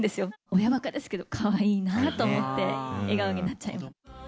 親ばかですけど、かわいいなと思って、笑顔になっちゃいます。